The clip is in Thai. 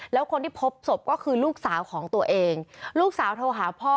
แล้วคนที่พบศพก็คือลูกสาวของตัวเองลูกสาวโทรหาพ่อ